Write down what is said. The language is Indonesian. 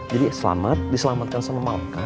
jadi selamat diselamatkan sama malkan